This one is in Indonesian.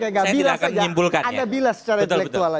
saya tidak akan menyimpulkannya